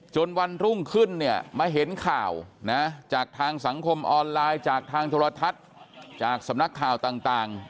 วันรุ่งขึ้นเนี่ยมาเห็นข่าวนะจากทางสังคมออนไลน์จากทางโทรทัศน์จากสำนักข่าวต่าง